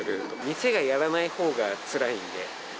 店がやらないほうがつらいんで。